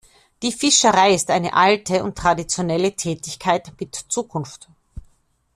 Die Fischerei ist eine alte und traditionelle Tätigkeit mit Zukunft.